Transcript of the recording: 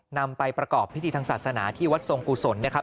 นำไปประกอบพิธีทางศาสนาที่วัดทรงกุศลนะครับ